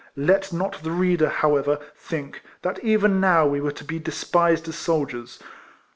Let not the reader, however, tliink, that even now we were to be despised as soldiers.